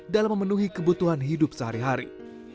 dalam memenuhi kebutuhan hidup sehari hari